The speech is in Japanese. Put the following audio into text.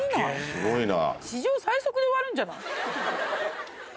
すごいな。